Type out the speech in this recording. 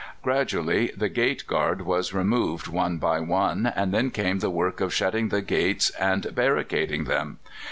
"Gradually the gate guard was removed one by one, and then came the work of shutting the gates and barricading them.